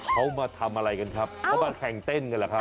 เขามาทำอะไรกันครับเขามาแข่งเต้นกันเหรอครับ